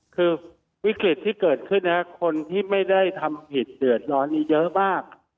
คือวิกฤตที่เกิดขึ้นนะคนที่ไม่ได้ทำผิดเดือดร้อนนี้เยอะมาก